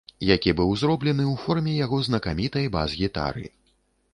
Які быў зроблены ў форме яго знакамітай бас-гітары!